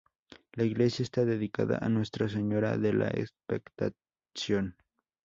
La iglesia está dedicada a Nuestra Señora de la Expectación.